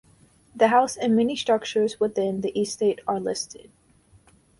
The house and many structures within the estate are listed.